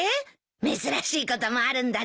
珍しいこともあるんだね。